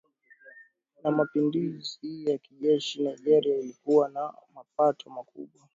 na mapinduzi ya kijeshi Nigeria ilikuwa na mapato makubwa